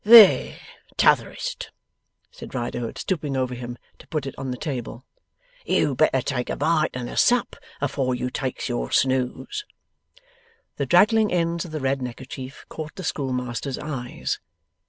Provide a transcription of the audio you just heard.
'There, T'otherest,' said Riderhood, stooping over him to put it on the table. 'You'd better take a bite and a sup, afore you takes your snooze.' The draggling ends of the red neckerchief caught the schoolmaster's eyes.